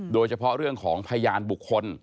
โดยเฉพาะเรื่องของพยานบุคคล